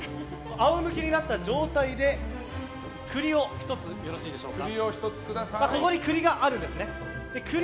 仰向けになった状態で栗を１つよろしいでしょうか。